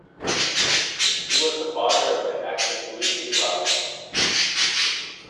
He was the father of the actress Lucy Robinson.